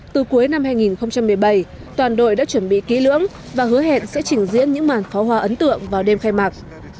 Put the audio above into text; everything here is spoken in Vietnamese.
từ cuối năm hai nghìn một mươi bảy toàn đội đã chuẩn bị kỹ lưỡng và hứa hẹn sẽ trình diễn những màn pháo hoa ấn tượng vào đêm khai mạc